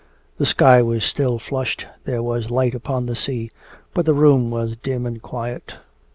The sky was still flushed, there was light upon the sea, but the room was dim and quiet.